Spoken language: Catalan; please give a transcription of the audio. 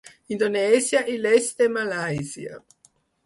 Indonèsia i l'est de Malàisia.